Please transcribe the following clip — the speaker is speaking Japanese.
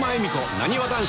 「なにわ男子」